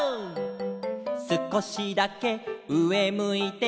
「すこしだけうえむいて」